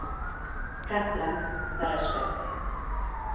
Cap blanc fa respecte.